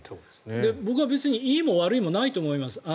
僕は別にいいも悪いもないと思います。